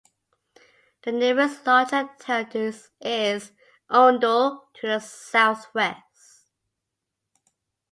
The nearest larger town is Oundle to the south west.